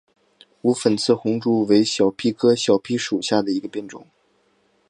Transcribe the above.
无粉刺红珠为小檗科小檗属下的一个变种。